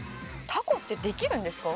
タコってできるんですか？